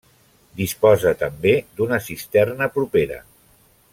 Disposa també d'una cisterna propera.